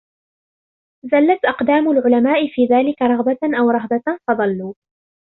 زَلَّتْ أَقْدَامُ الْعُلَمَاءِ فِي ذَلِكَ رَغْبَةً أَوْ رَهْبَةً فَضَلُّوا